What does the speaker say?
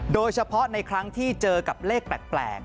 โดยเฉพาะในครั้งที่เจอกับเลขแปลก